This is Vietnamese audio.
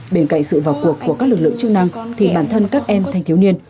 bên cạnh sự vào cuộc của các lực lượng chức năng thì bản thân các em thanh thiếu niên